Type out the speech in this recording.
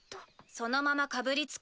そのままかぶりつく。